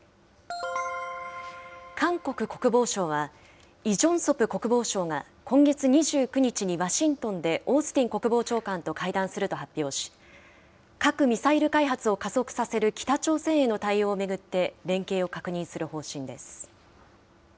韓国国防省は、イ・ジョンソプ国防相が今月２９日にワシントンで、オースティン国防長官と会談すると発表し、核・ミサイル開発を加速させる北朝鮮への対応を巡って、連携を確認する方針です。